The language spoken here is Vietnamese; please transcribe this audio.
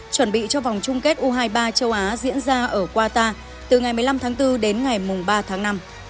chuẩn bị cho vòng chung kết u hai mươi ba châu á diễn ra ở qatar từ ngày một mươi năm tháng bốn đến ngày ba tháng năm